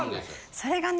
それがね